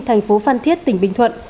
thành phố phan thiết tỉnh bình thuận